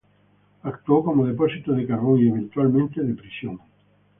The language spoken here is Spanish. Actuó como depósito de carbón y eventualmente de prisión.